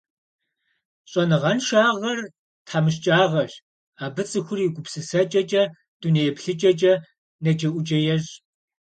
Щӏэныгъэншагъэр – тхьэмыщкӀагъэщ, абы цӀыхур и гупсысэкӀэкӀэ, дунейеплъыкӀэкӀэ нэджэӀуджэ ещӀ.